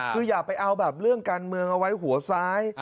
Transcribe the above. คืออย่าไปเอาแบบเรื่องการเมืองเอาไว้หัวซ้าย